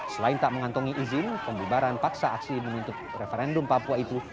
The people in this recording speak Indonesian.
selain tak mengantongi izin pembubaran paksa aksi menuntut referendum papua itu